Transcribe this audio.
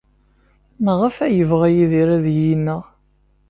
Maɣef ay yebɣa Yidir ad iyi-ineɣ?